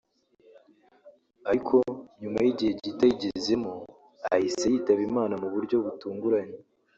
ariko nyuma y’igihe gito ayigezemo ahise yitaba Imana mu buryo butunguranye